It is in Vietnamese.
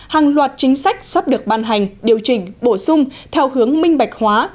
hàng loạt chính sách sắp được ban hành điều chỉnh bổ sung theo hướng minh bạch hóa